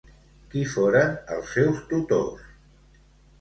Qui foren els seus tutors?